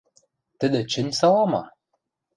– Тӹдӹ чӹнь сала ма?